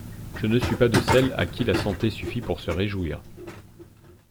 Je ne suis pas de celles à qui la sauté suffit pour se réjouir.